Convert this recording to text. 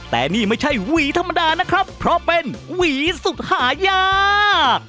แต่นี่ไม่ใช่หวีธรรมดานะครับเพราะเป็นหวีสุดหายาก